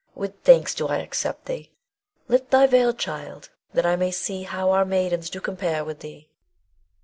With thanks do I accept thee. Lift thy veil, child, that I may see how our maidens do compare with thee.